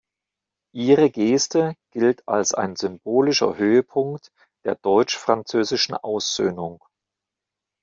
Ihre Geste gilt als ein symbolischer Höhepunkt der deutsch-französischen Aussöhnung.